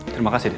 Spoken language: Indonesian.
terima kasih den